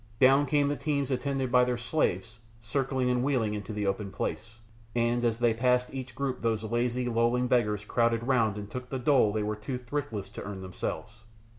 Down came the teams attended by their slaves, circling and wheeling into the open place, and as they passed each group those lazy, lolling beggars crowded round and took the dole they were too thriftless to earn themselves.